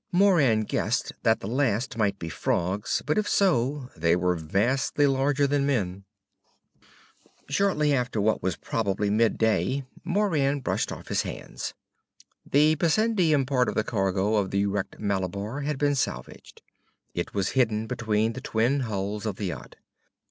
Moran guessed that the last might be frogs, but if so they were vastly larger than men. Shortly after what was probably midday, Moran brushed off his hands. The bessendium part of the cargo of the wrecked Malabar had been salvaged. It was hidden between the twin hulls of the yacht.